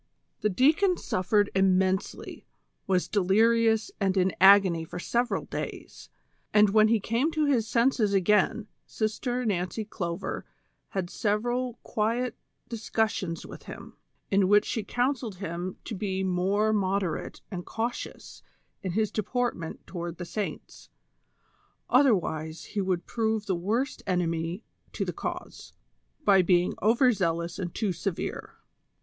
215 The deacon suffered immensely ; was delirious and in agony for several days, and when he came to his senses again Sister Nancy Clover had several quiet discussions with him, in which she counselled him to be more moderate and cautious in his deportment toward the saints, other wise he would prove the worst enemy to the cause, by being over zealous and too severe.